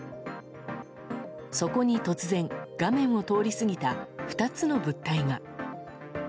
そこに突然、画面を通り過ぎた２つの物体が。